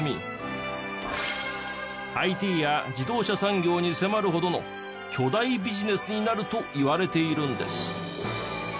ＩＴや自動車産業に迫るほどの巨大ビジネスになるといわれているんです。